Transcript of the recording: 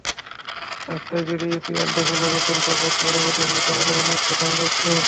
রাস্তায় বেরিয়ে পিয়াল দেখল—নতুন কাপড় পরে ওদের মতো আরও অনেকে কোথাও যাচ্ছে।